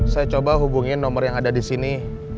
saya coba hubungin nomor yang ada di sini